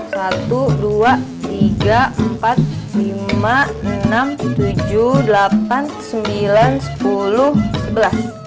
satu dua tiga empat lima enam tujuh delapan sembilan sepuluh sebelas